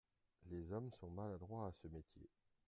Les hommes sont maladroits à ce métier.